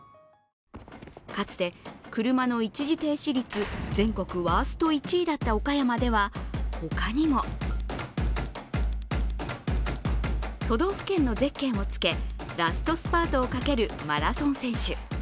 かつて車の一時停止率全国ワースト１位だった岡山では他にも都道府県のゼッケンをつけラストスパートをかけるマラソン選手。